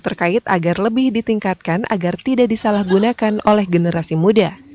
terkait agar lebih ditingkatkan agar tidak disalahgunakan oleh generasi muda